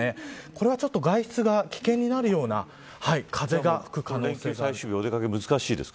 これはちょっと外出が危険になるような風が吹く可能性があります。